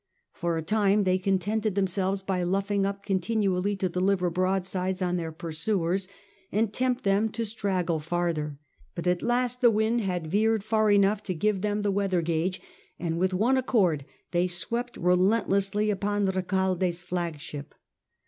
For a time they contented themselves by luffing up continually to deliver broadsides on their pursuers and tempt them to straggle farther; but at last the wind had veered far enough to give them the weather gage, and with one accord they swept re lentlessly upon Recalde's flagship.